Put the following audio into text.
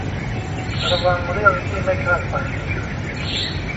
ระวังเรื่องที่ไม่คาดฝัน